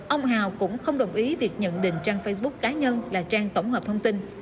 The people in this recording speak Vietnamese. ông hào cũng không đồng ý việc nhận định trang facebook cá nhân là trang tổng hợp thông tin